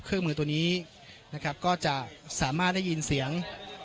เครื่องมือตัวนี้นะครับก็จะสามารถได้ยินเสียง